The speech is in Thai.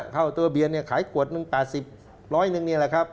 เข้าตัวเบียนเนี่ยขายขวดหนึ่ง๘๐ร้อยหนึ่งนี่แหละครับ